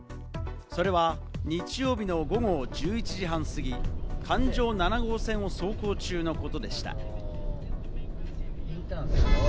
それは日曜日の午後１１時半過ぎ、環状７号線を走行中のことでした。